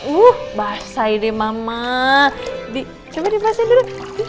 hai uh bahasai di mama di coba dibahas dulu